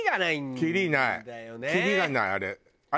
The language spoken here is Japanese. きりがないあれ。